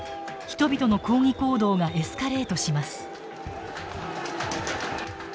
人々の抗議行動がエスカレートします。